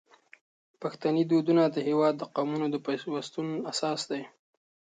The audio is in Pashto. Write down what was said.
پښتني دودونه د هیواد د قومونو د پیوستون اساس دي.